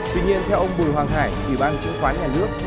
tuy nhiên theo ông bùi hoàng hải ủy ban chứng khoán nhà nước